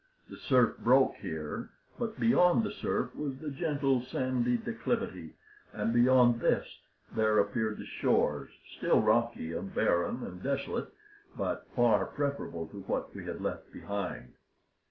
The surf broke here, but beyond the surf was the gentle sandy declivity, and beyond this there appeared the shores, still rocky and barren and desolate, but far preferable to what we had left behind.